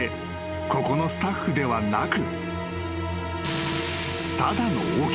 ここのスタッフではなく］